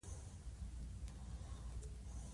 دغه بنسټونه د وخت په تېرېدو سره د وینز په برخلیک اخته شول